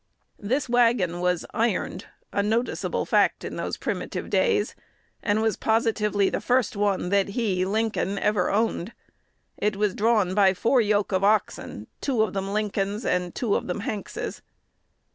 This wagon was "ironed," a noticeable fact in those primitive days, and "was positively the first one that he (Lincoln) ever owned." It was drawn by four yoke of oxen, two of them Lincoln's, and two of them Hanks's.